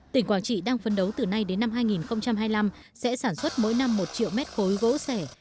tỉnh quảng trị đang phấn đấu từ nay đến năm hai nghìn hai mươi năm sẽ sản xuất mỗi năm một triệu mét khối gỗ sẻ